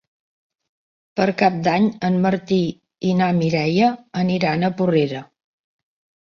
Per Cap d'Any en Martí i na Mireia aniran a Porrera.